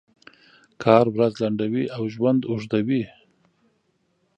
کار ورځ لنډوي او ژوند اوږدوي.